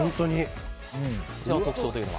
こちらの特徴というのは？